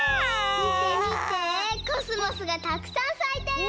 みてみてコスモスがたくさんさいてる！